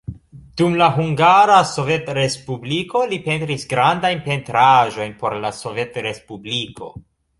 Dum la Hungara Sovetrespubliko li pentris grandajn pentraĵojn por la Sovetrespubliko.